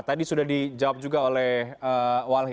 tadi sudah dijawab juga oleh walhi